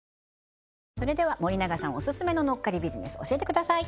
それでは森永さんオススメののっかりビジネス教えてください